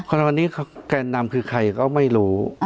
ในวันนี้แกนนำคือใครก็ไม่รู้